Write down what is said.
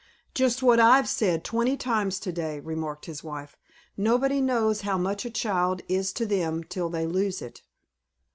"Just what I've said twenty times to day," remarked his wife. "Nobody knows how much a child is to them till they lose it."